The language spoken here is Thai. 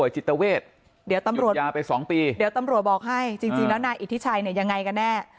จิตเวทเดี๋ยวตำรวจยาไป๒ปีเดี๋ยวตำรวจบอกให้จริงแล้วนายอิทธิชัยเนี่ยยังไงกันแน่